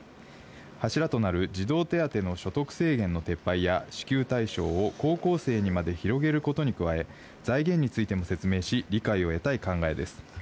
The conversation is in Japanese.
柱となる児童手当の所得制限の撤廃や支給対象を高校生にまで広げることに加え、財源についても説明し、理解を得たい考えです。